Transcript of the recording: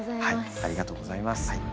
ありがとうございます。